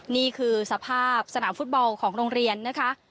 นี่คือสภาพสนามฟุตบอลของโรงเรียนนะคะ